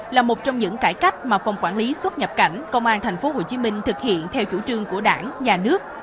là một trong những cải cách mà phòng quản lý xuất nhập cảnh công an thành phố hồ chí minh thực hiện theo chủ trương của đảng nhà nước